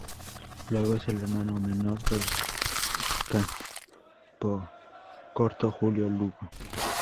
Lugo es el hermano menor del campocorto Julio Lugo.